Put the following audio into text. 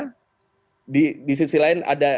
di sisi lain ada pihak yang ingin ini tetap ada